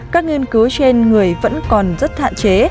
các nghiên cứu trên người vẫn còn rất hạn chế